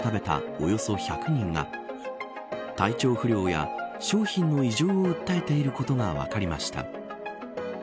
およそ１００人が体調不良や商品の異常を訴えていることが分かりました。